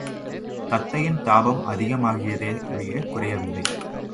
தத்தையின் தாபம் அதிகமாகியதே ஒழியக் குறையவில்லை.